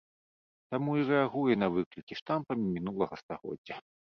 Таму і рэагуе на выклікі штампамі мінулага стагоддзя.